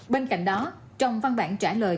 bên cạnh đó trong văn bản trả lời